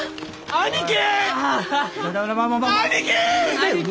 兄貴！